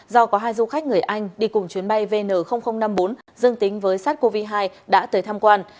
do có hai du khách người anh đi cùng chuyến bay vn năm mươi bốn dương tính với sars cov hai đã tới tham quan